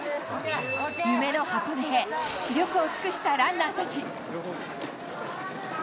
夢の箱根へ、死力を尽くしたランナーたち。